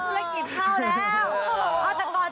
เอาแล้วธุรกิจเข้าแล้ว